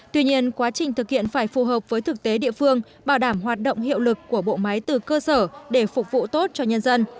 tuy nhiên quá trình thực hiện phải phù hợp với thực tế địa phương bảo đảm hoạt động hiệu lực của bộ máy từ cơ sở để phục vụ tốt cho nhân dân